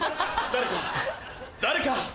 誰か誰か。